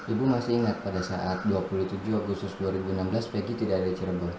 ibu masih ingat pada saat dua puluh tujuh agustus dua ribu enam belas peggy tidak ada di cirebon